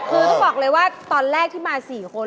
คือต้องบอกเลยว่าตอนแรกที่มา๔คน